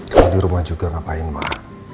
kalau di rumah juga ngapain pak